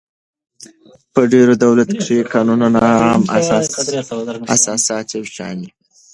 په ډېرو دولتو کښي قانوني عام اساسات یو شان يي.